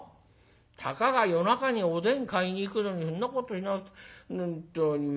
たかが夜中におでん買いに行くのにそんなことしなく本当にもう。